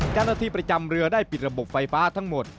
เจ้าหน้าที่ประจำเรือได้ปิดระบบไฟฟ้าทั้งหมด